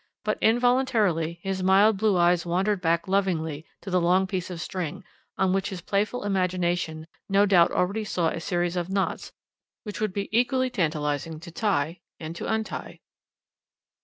But, involuntarily, his mild blue eyes wandered back lovingly to the long piece of string, on which his playful imagination no doubt already saw a series of knots which would be equally tantalising to tie and to untie.